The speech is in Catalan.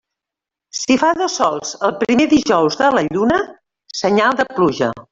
Si fa dos sols el primer dijous de la lluna, senyal de pluja.